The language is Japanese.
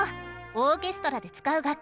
オーケストラで使う楽器